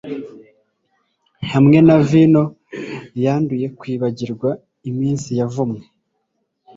Hamwe na vino yanduye kwibagirwa iminsi yavumwe